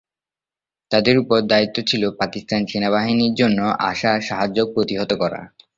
তাদের ওপর দায়িত্ব ছিল পাকিস্তান সেনাবাহিনীর জন্য আসা সাহায্য প্রতিহত করা।